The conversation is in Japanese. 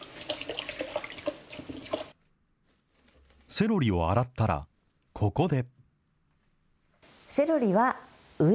セロリを洗ったらここで。